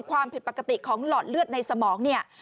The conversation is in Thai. ความผิดปกติของหลอดเลือดในสมองเนี่ย